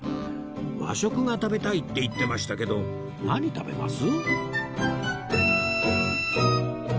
和食が食べたいって言ってましたけど何食べます？